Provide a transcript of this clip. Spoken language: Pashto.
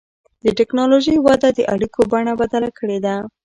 د ټکنالوجۍ وده د اړیکو بڼه بدله کړې ده.